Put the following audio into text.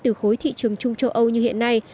từ khối thị trường chung châu âu như hiện nay